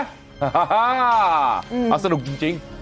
ฮ่ามันสนุกจริง